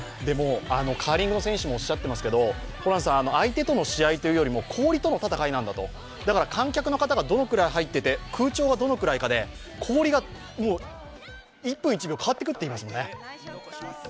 カーリングの選手もおっしゃってますけど、相手との試合というよりも氷との戦いなんだと、だから観客の方がどのくらい入っていて空調がどのくらいかで、氷が１分１秒変わってくると言いますね。